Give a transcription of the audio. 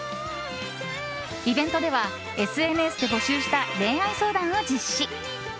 イベントではＳＮＳで募集した恋愛相談を実施。